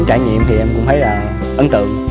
trải nghiệm thì em cũng thấy là ấn tượng